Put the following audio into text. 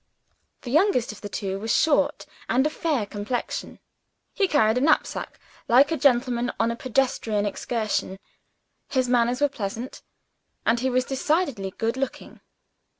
The youngest of the two was short, and of fair complexion. He carried a knapsack, like a gentleman on a pedestrian excursion; his manners were pleasant; and he was decidedly good looking.